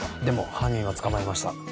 でも犯人は捕まえました